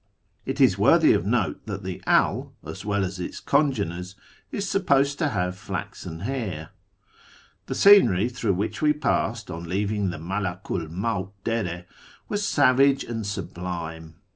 It is worthy of note that the Al, as well as its congeners, is supposed to have flaxen hair. The scenery through which we passed on leaving the Malaku '1 Mawt Dere was savage and sublime.